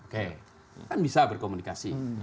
kan bisa berkomunikasi